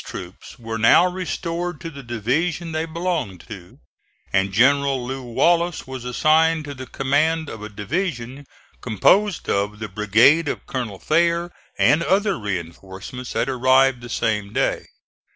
Smith. These troops were now restored to the division they belonged to, and General Lew. Wallace was assigned to the command of a division composed of the brigade of Colonel Thayer and other reinforcements that arrived the same day.